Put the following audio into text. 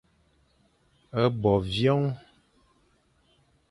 Bo vyoñ.